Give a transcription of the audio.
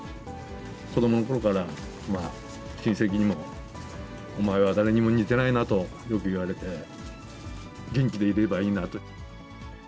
子どものころから、親戚にもお前は誰にも似てないなとよく言われて、元気でいればいいなと。